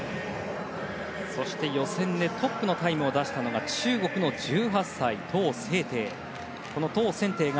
そして、予選でトップのタイムを出したのが中国の１８歳、トウ・センテイ。